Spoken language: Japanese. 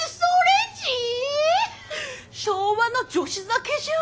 昭和の女子酒じゃん！